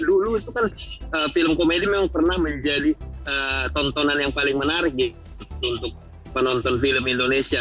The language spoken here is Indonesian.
dulu itu kan film komedi memang pernah menjadi tontonan yang paling menarik untuk penonton film indonesia